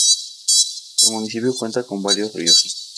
El municipio cuenta con varios ríos.